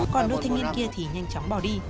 còn nữ thanh niên kia thì nhanh chóng bỏ đi